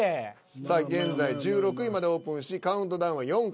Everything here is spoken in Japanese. さあ現在１６位までオープンしカウントダウンは４回。